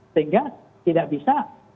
sehingga tidak bisa